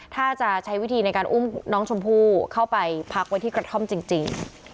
ถ้าจะใช้วิธีในการอุ้มน้องชมพู่เข้าไปพักไว้ที่กระท่อมจริง